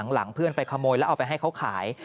หลังเพื่อนไปขโมยแล้วเอาไปให้เขาขาย